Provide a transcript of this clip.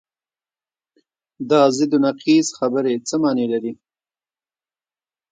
دا ضد و نقیض خبرې څه معنی لري؟